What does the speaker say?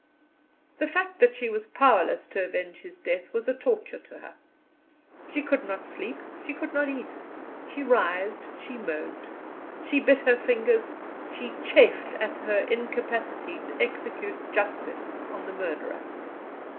The fact that she was powerless to avenge his death was a torture to her. She could not sleep, she could not eat, she writhed, she moaned, she bit her fingers, she chafed at her incapacity to execute justice on the murderer.